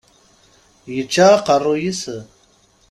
Ičča aqeṛṛuy-is?